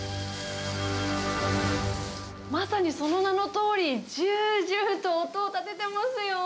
まさにその名のとおり、じゅうじゅうと音を立ててますよ。